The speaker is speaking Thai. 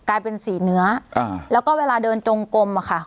กลายเป็นสีเนื้ออ่าแล้วก็เวลาเดินจงกลมอะค่ะ